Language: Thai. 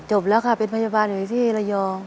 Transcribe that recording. จบแล้วค่ะเป็นพยาบาลอยู่ที่ระยอง